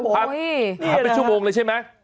ทำเป็นชั่วโมงเลยใช่ไหม